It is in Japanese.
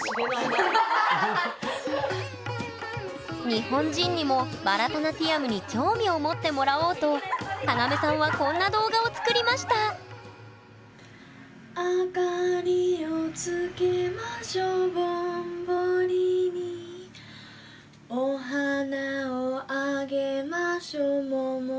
日本人にもバラタナティヤムに興味を持ってもらおうとカナメさんはこんな動画を作りました童謡の動画をＳＮＳで公開したんだ！